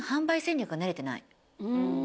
うん。